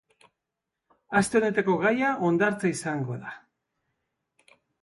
Aste honetako gaia hondartza izango da.